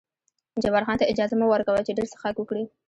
جبار خان ته اجازه مه ور کوه چې ډېر څښاک وکړي.